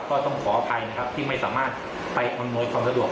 ก็ต้องขออภัยนะครับที่ไม่สามารถไปอำนวยความสะดวก